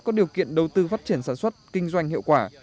có điều kiện đầu tư phát triển sản xuất kinh doanh hiệu quả